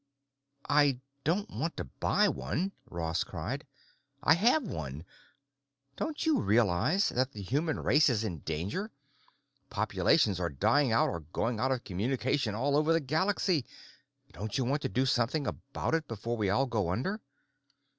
"I don't want to buy one," Ross cried. "I have one. Don't you realize that the human race is in danger? Populations are dying out or going out of communication all over the galaxy. Don't you want to do something about it before we all go under?"